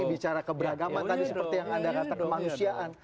bicara keberagaman tadi seperti yang anda katakan kemanusiaan